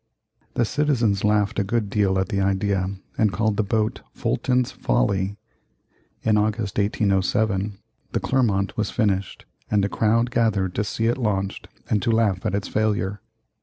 The citizens laughed a good deal at the idea and called the boat "Fulton's Folly." In August, 1807, the Clermont was finished, and a crowd gathered to see it launched and to laugh at its failure.